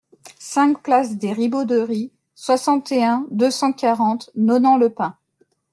cinq place des Ribauderies, soixante et un, deux cent quarante, Nonant-le-Pin